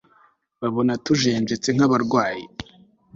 Babona tujenjetse nkabarwayi